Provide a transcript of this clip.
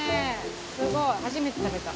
すごい、初めて食べた。